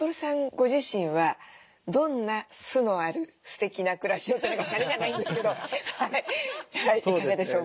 ご自身はどんな酢のあるすてきな暮らしをシャレじゃないんですけどいかがでしょうか？